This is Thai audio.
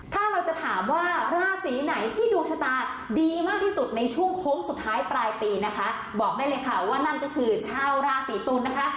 ถ้าเราจะถามว่าราศีไหนที่ดวงชะตาดีมากที่สุดในช่วงโค้งสุดท้ายปลายปีนะคะบอกได้เลยค่ะว่านั่นก็คือชาวราศีตุลนะคะ